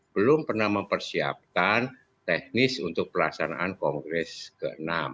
belum pernah mempersiapkan teknis untuk pelaksanaan kongres ke enam